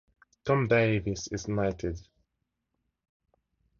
Tom Davis is knighted.